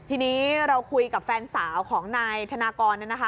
ทีนี้เราคุยกับแฟนสาวของนายธนากรเนี่ยนะคะ